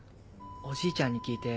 おじいちゃんに聞いて